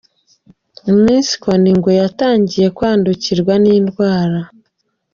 Iminsi ikona ingwe, yatangiye kwandukirwa n’indwara.